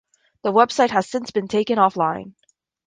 The website has since been taken offline.